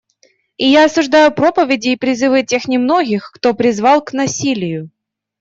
И я осуждаю проповеди и призывы тех немногих, кто призвал к насилию.